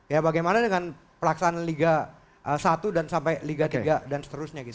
ya bagaimana dengan pelaksanaan liga satu dan sampai liga tiga dan seterusnya gitu